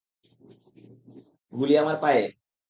গুলি আমার পায়ে!